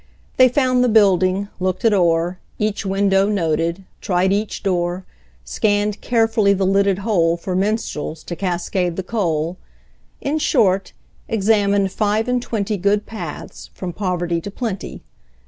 They found the building, looked it o'er, Each window noted, tried each door, Scanned carefully the lidded hole For minstrels to cascade the coal In short, examined five and twenty Good paths from poverty to plenty.